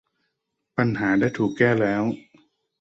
ปัญหาได้ถูกแก้แล้ว